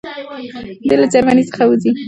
دی له جرمني څخه وځي.